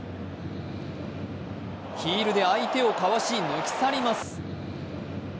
ヒールで相手を交わし抜き去ります。